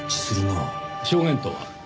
証言とは？